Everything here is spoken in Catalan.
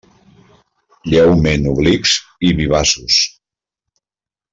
Lleument oblics i vivaços.